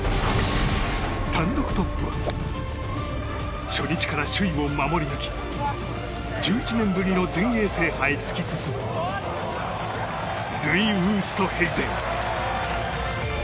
単独トップは初日から首位を守り抜き１１年ぶりの全英制覇へ突き進むルイ・ウーストヘイゼン。